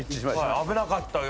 危なかったよ